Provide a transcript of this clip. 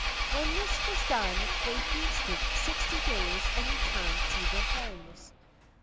When this was done they feasted sixty days and returned to their homes.